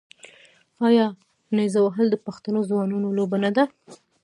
آیا نیزه وهل د پښتنو ځوانانو لوبه نه ده؟